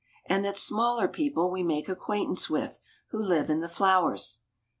And that smaller people we make acquaintance with, who live in the flowers.